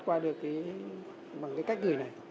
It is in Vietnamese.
qua được cái cách gửi này